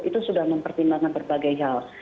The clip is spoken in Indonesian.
itu sudah mempertimbangkan berbagai hal